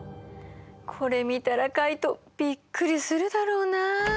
これ見たらカイトびっくりするだろうなあ。